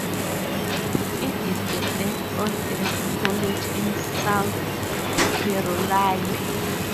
It is the third-oldest college in South Carolina.